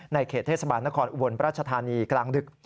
เขตเทศบาลนครอุบลราชธานีกลางดึก